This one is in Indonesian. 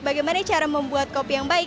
bagaimana cara membuat kopi yang baik